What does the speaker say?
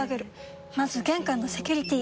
まず玄関のセキュリティ！